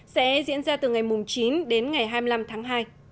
sẽ diễn ra từ ngày chín đến ngày hai mươi năm tháng hai